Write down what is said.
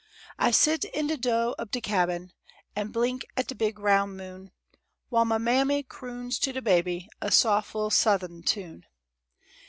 Ah sit in de do' ob de cabin, An' blink at de big roun' moon, Whal mah mammy croons to de baby A sof' li'l' south'n tune.